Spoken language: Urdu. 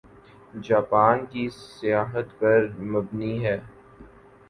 جاپان کی سیاحت پر مبنی ہے